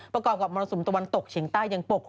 ประกอบกับมรสุมตะวันตกเฉียงใต้ยังปกคลุม